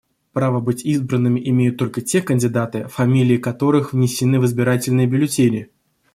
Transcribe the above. Право быть избранными имеют только те кандидаты, фамилии которых внесены в избирательные бюллетени.